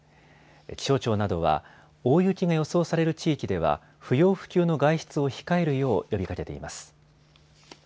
気象庁などは大雪が予想される地域では不要不急の外出を控えるよう呼びかけています。